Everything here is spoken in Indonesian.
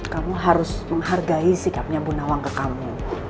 kamu harus menghargai sikapnya bunawang ke kamu